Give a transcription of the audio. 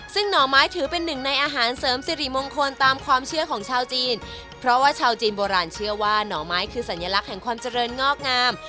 ซึ่งหน่อไม้ถือเป็นหนึ่งในอาหารเสริมสิริมงคลตามความเชื่อของชาวจีนเพราะว่าชาวจีนโบราณเชื่อว่าหน่อไม้คือสัญลักษณ์แห่งความเจริญงอกงาม